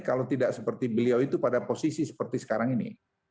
kalau tidak seperti beliau itu pada posisi seperti sekarang ini